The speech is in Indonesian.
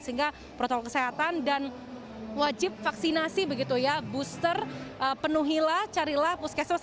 sehingga protokol kesehatan dan wajib vaksinasi begitu ya booster penuhilah carilah puskesmas